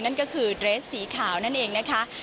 นั่นก็คือเดรสสีขาวนั่นเองนะคะ